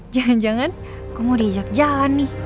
jangan jangan aku mau diizak jalan nih